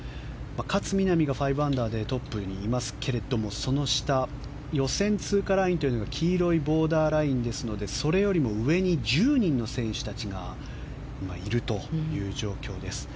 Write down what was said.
勝みなみが５アンダーでトップにいますけどもその下予選通過ラインというのが黄色いボーダーラインですのでそれよりも上に１０人の選手たちがいるという状況です。